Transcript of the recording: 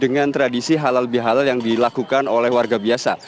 dengan tradisi halal bihalal yang dilakukan oleh warga biasa